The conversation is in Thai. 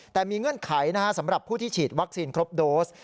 แต่มีเงื่อนไขสำหรับผู้ที่ฉีดวัคซีนครบโดส